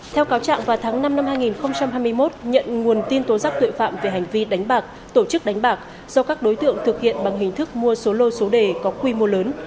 theo cáo trạng vào tháng năm năm hai nghìn hai mươi một nhận nguồn tin tố giác tội phạm về hành vi đánh bạc tổ chức đánh bạc do các đối tượng thực hiện bằng hình thức mua số lô số đề có quy mô lớn